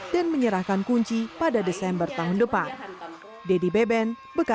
dan menyerahkan kunci pada desember tahun depan